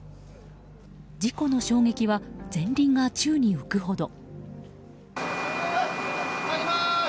事故の衝撃は前輪が宙に浮くほど。